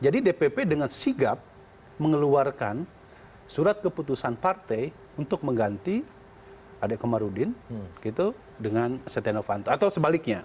jadi dpp dengan sigap mengeluarkan surat keputusan partai untuk mengganti adek komarudin gitu dengan setihan ovanto atau sebaliknya